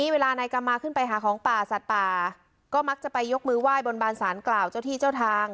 เวลานายกรรมาขึ้นไปหาของป่าสัตว์ป่าก็มักจะไปยกมือไหว้บนบานสารกล่าวเจ้าที่เจ้าทาง